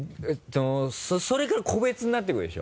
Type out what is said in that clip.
それから個別になっていくでしょ？